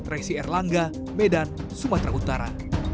resi erlangga medan sumatera utara